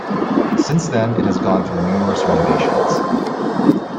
Since then it has gone through numerous renovations.